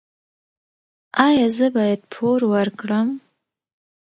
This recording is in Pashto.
ایا زه باید پور ورکړم؟